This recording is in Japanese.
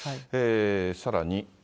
さらに。